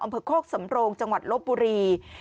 อำเภอโคกสำโรงจังหวัดโลปบุรี